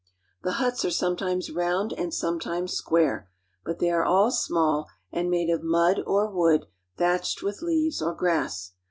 I ^^^F The huts are sometimes round and sometimes square; 1 ^^^rbut they are all small and made of mud or wood thatched I with leaves or grass.